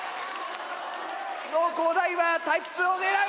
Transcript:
農工大はタイプ２を狙う！